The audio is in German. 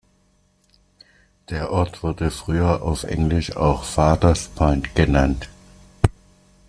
Der Ort wurde früher auf Englisch auch „"Father's Point"“ genannt.